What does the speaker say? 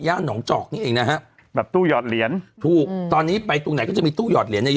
หนองจอกนี่เองนะฮะแบบตู้หยอดเหรียญถูกตอนนี้ไปตรงไหนก็จะมีตู้หอดเหรียญเนี่ยเยอะ